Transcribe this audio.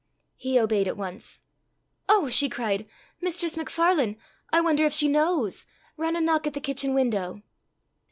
He obeyed at once. "Oh!" she cried, "Mistress MacFarlane! I wonder if she knows. Run and knock at the kitchen window."